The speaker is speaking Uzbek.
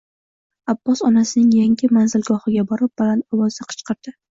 Abbos onasining yangi manzilgohiga borib, baland ovozda qichqirdi